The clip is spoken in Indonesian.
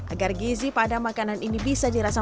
agar gizi pada makanan ini bisa dirasakan